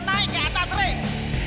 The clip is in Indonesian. memperbaiki atas ring